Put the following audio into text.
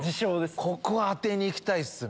ここは当てに行きたいっすね。